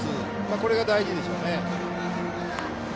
これが大事でしょうね。